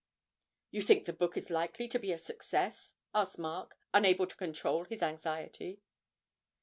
'You think the book is likely to be a success?' asked Mark, unable to control his anxiety.